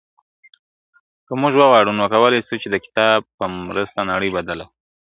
که موږ وغواړو نو کولای سو چي د کتاب په مرسته نړۍ بدله کړو ..